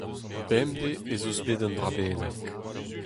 Bemdez ez eus bet un dra bennak.